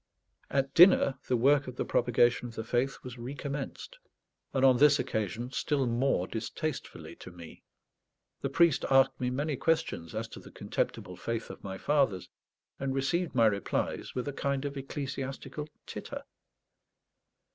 At dinner the Work of the Propagation of the Faith was recommenced, and on this occasion still more distastefully to me. The priest asked me many questions as to the contemptible faith of my fathers, and received my replies with a kind of ecclesiastical titter.